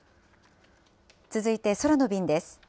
続いて空の便です。